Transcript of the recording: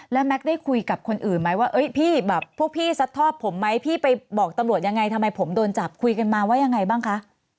แล้วแม็กซได้คุยกับคนอื่นไหมว่าพี่แบบพวกพี่ซัดทอดผมไหมพี่ไปบอกตำรวจยังไงทำไมผมโดนจับคุยกันมาว่ายังไงบ้างคะ